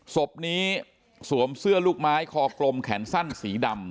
ศพนี้สวมเสื้อลูกไม้คอกลมแขนสั้นสีดำ